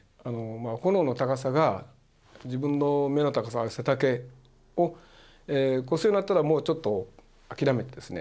炎の高さが自分の目の高さ背丈を越すようになったらもうちょっと諦めてですね